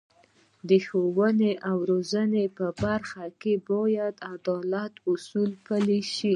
د ښوونې او روزنې په برخه کې باید د عدالت اصول پلي شي.